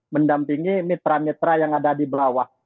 mendampingi mitra mitra yang ada di bawah